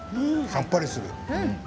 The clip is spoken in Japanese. さっぱりする。